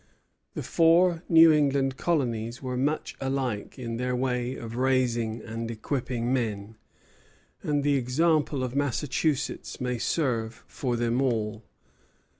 The four New England colonies were much alike in their way of raising and equipping men, and the example of Massachusetts may serve for them all.